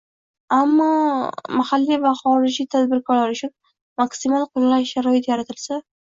albatta, ammo mahalliy va xorijlik tadbirkorlar uchun maksimal qulay sharoit yaratilsa